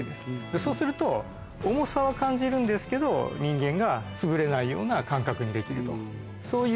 でそうすると重さは感じるんですけど人間がつぶれないような感覚にできると。